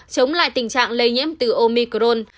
chống lại tình trạng lây nhiễm từ omicron